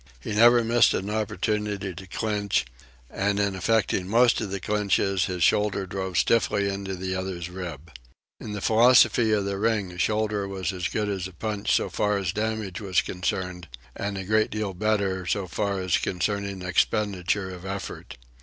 He never missed an opportunity to clinch, and in effecting most of the clinches his shoulder drove stiffly into the other's ribs. In the philosophy of the ring a shoulder was as good as a punch so far as damage was concerned, and a great deal better so far as concerned expenditure of effort.